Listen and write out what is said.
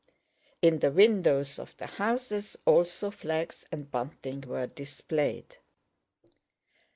In the windows of the houses also flags and bunting were displayed.